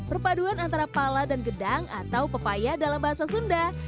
pembuatannya adalah masakan yang terkenal di dalam bahasa sunda